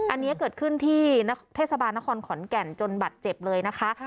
อันนี้เกิดขึ้นที่เทศบาลนครขอนแก่นจนบัตรเจ็บเลยนะคะ